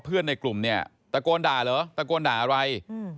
ในกลุ่มเนี่ยตะโกนด่าเหรอตะโกนด่าอะไร